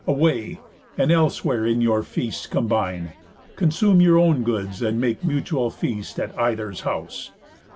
Away; and elsewhere in your feasts combine. Consume your own goods, and make mutual feast At either's house.